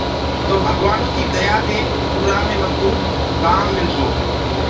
تو ڀگوآنو ڪيٚ ديا دي اُرا مي مڪوٚ ڪام مِل گو۔